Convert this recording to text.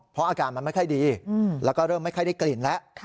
เพราะอาการมันไม่ค่อยดีแล้วก็เริ่มไม่ค่อยได้กลิ่นแล้ว